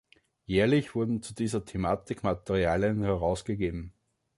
Jährlich wurden zu dieser Thematik Materialien herausgegeben.